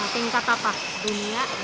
tingkat apa dunia